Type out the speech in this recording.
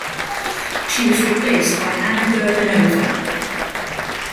She was replaced by Anna Gurbanova.